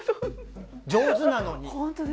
上手なのに。